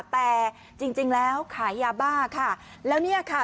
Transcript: แต่จริงจริงแล้วขายยาบ้าค่ะแล้วเนี่ยค่ะ